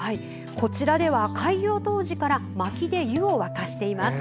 こちらでは、開業当時から薪で湯を沸かしています。